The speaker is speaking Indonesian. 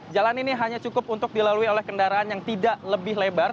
jalan ini hanya cukup untuk dilalui oleh kendaraan yang tidak lebih lebar